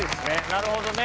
なるほどね。